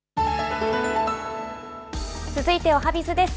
続いておはＢｉｚです。